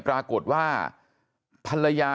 ปรากฏว่าภรรยา